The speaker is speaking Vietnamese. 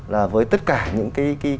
là với tất cả những